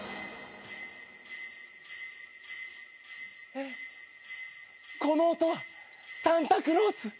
・えっこの音はサンタクロース？